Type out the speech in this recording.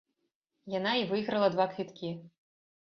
Яна і выйграла два квіткі.